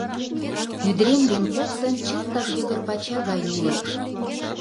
Ӱдырем дене коктын чылтак йыгыр пача гай улыт.